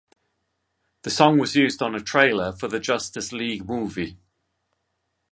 The song was used on a trailer for the Justice League movie.